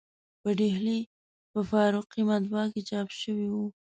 په ډهلي په فاروقي مطبعه کې چاپ شوی و.